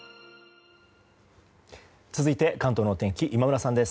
続いて関東のお天気今村さんです。